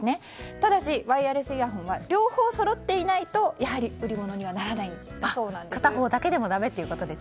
ただし、ワイヤレスイヤホンは両方そろっていないと売り物にはならないそうです。